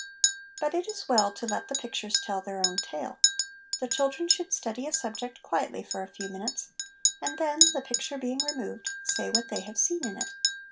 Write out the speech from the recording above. But it is well to let the pictures tell their own tale. The children should study a subject quietly for a few minutes ; and then, the picture being removed, say what they have seen in it.